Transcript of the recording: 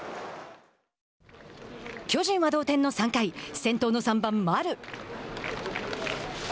巨人は同点の３回先頭の３番丸。